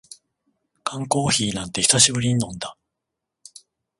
缶コーヒーなんて久しぶりに飲んだ